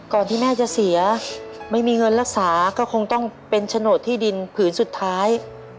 ที่แม่จะเสียไม่มีเงินรักษาก็คงต้องเป็นโฉนดที่ดินผืนสุดท้าย